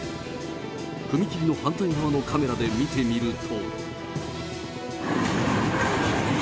踏切の反対側のカメラで見てみると。